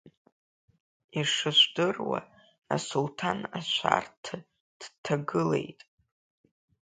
Ишыжәдыруа, Асулҭан ашәарҭа дҭагылеит.